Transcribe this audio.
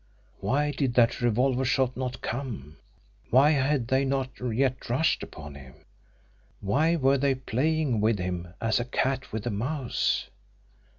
Why did that revolver shot not come? Why had they not yet rushed upon him? Why were they playing with him as a cat with a mouse?